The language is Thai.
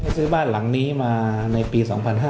ซื้อบ้านหลังนี้มาในปี๒๕๕๙